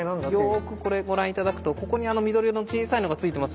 よくこれご覧頂くとここに緑色の小さいのが付いてますよね。